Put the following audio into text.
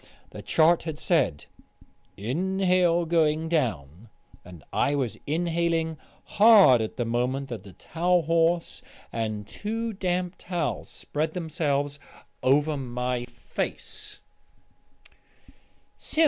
The chart had said, "Inhale going down," and I was inhaling hard at the moment that the towel horse and two damp towels spread themselves over my face.